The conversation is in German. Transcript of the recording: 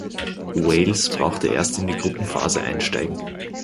Wales brauchte erst in die Gruppenphase einsteigen.